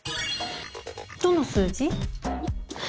どの数字？